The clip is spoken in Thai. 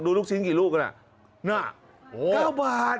ลูกชิ้นกี่ลูกน่ะ๙บาท